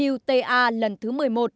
wta lần thứ một mươi một